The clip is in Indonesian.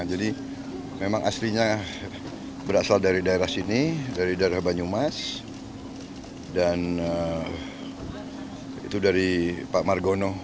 jadi memang aslinya berasal dari daerah sini dari daerah banyumas dan itu dari pak margono